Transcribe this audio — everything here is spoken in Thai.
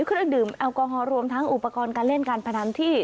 เครื่องดื่มแอลกอฮอลรวมทั้งอุปกรณ์การเล่นการพนันที่